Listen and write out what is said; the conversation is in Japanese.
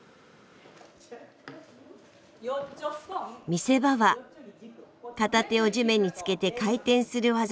見せ場は片手を地面につけて回転する技です。